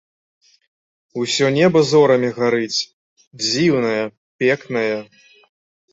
Усё неба зорамі гарыць, дзіўнае, пекнае!